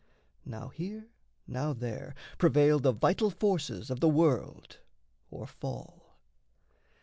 Now here, now there, prevail The vital forces of the world or fall.